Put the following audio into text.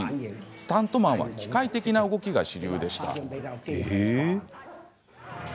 スタントマンは機械的な動きが主流でした。